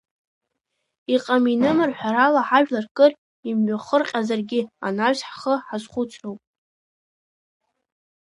Иҟам-иным рҳәарала ҳажәлар кыр имҩахырҟьазаргьы, анаҩс ҳхы ҳазхәыцроуп.